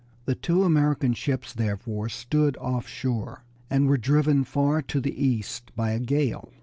The two American ships therefore stood offshore, and were driven far to the east by a gale.